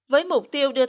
với mục tiêu đưa ra